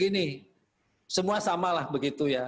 begini semua samalah begitu ya